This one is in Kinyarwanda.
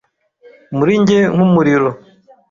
Muri njye nk'umuriro.